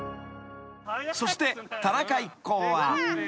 ［そして田中一行は］